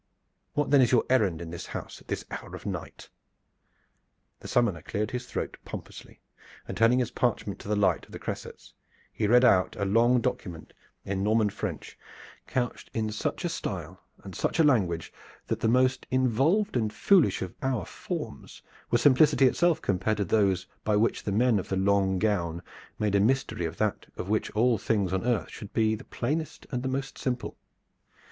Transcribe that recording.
"What then is your errand in this house at this hour of the night?" The summoner cleared his throat pompously, and turning his parchment to the light of the cressets he read out a long document in Norman French, couched in such a style and such a language that the most involved and foolish of our forms were simplicity itself compared to those by which the men of the long gown made a mystery of that which of all things on earth should be the plainest and the most simple.